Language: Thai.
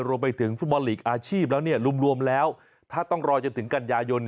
รวมไปถึงฟุตบอลลีกอาชีพแล้วรวมแล้วถ้าต้องรอจนถึงกันยายน